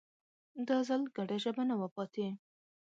دا ځل ګډه ژبه نه وه پاتې